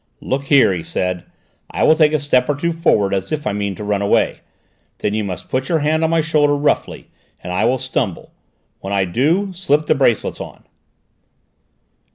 "Look here," he said, "I will take a step or two forward as if I meant to run away; then you must put your hand on my shoulder roughly, and I will stumble; when I do, slip the bracelets on."